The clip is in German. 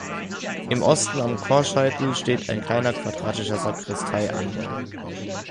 Im Osten am Chorscheitel steht ein kleiner quadratischer Sakristeianbau.